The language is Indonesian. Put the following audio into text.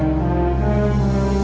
gue mau pergi ke rumah